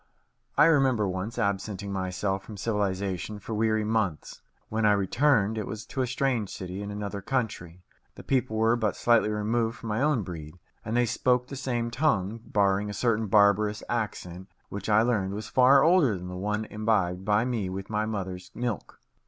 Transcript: I remember once absenting myself from civilization for weary months. When I returned, it was to a strange city in another country. The people were but slightly removed from my own breed, and they spoke the same tongue, barring a certain barbarous accent which I learned was far older than the one imbibed by me with my mother's milk.